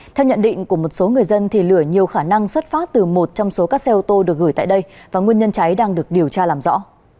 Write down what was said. theo nhận định của một số người dân lửa nhiều khả năng xuất phát từ một trong số các xe ô tô được gửi tại đây và nguyên nhân cháy đang được điều tra làm rõ